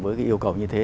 với cái yêu cầu như thế